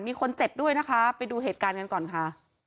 มีคนเจ็บด้วยนะคะไปดูเหตุการณ์กันก่อนค่ะ